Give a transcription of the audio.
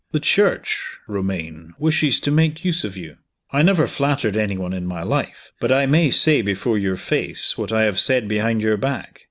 "The Church, Romayne wishes to make use of you. I never flattered any one in my life, but I may say before your face what I have said behind your back.